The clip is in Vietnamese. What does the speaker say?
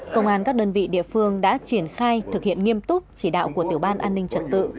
công an các đơn vị địa phương đã triển khai thực hiện nghiêm túc chỉ đạo của tiểu ban an ninh trật tự